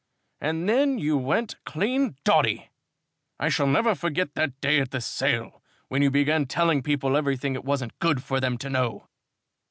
And then you went clean dotty. I shall never forget that day at the sale, when you began telling people everything it wasn't good for them to know."